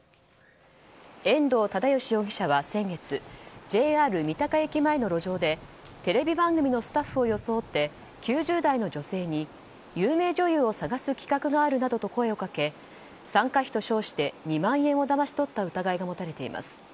遠藤忠義容疑者は先月ＪＲ三鷹駅前の路上でテレビ番組のスタッフを装って９０代の女性に、有名女優を探す企画があるなどと声をかけ参加費と称して２万円をだまし取った疑いが持たれています。